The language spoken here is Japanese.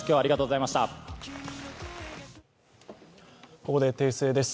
ここで訂正です。